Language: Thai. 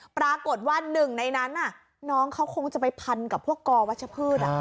ปรากฏว่าหนึ่งในนั้นน้องเขาคงจะไปพันกับพวกกอวัชพืช